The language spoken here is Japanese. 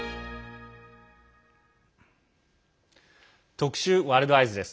特集「ワールドＥＹＥＳ」。